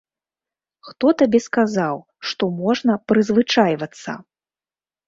Хто табе сказаў, што можна прызвычайвацца?